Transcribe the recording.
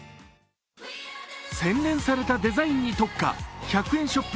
洗練されたデザインに特化、１００円ショップ